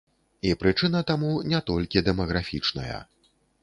І прычына таму не толькі дэмаграфічная.